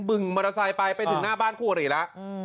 ึงมอเตอร์ไซค์ไปไปถึงหน้าบ้านคู่อริแล้ว